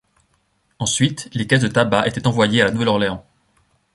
Ensuite, les caisses de tabac étaient envoyées à La Nouvelle-Orléans.